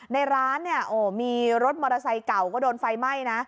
ในร้านมีรถมอเตอร์ไซส์เก่าก็โดนไฟไหม้นะ